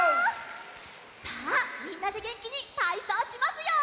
さあみんなでげんきにたいそうしますよ！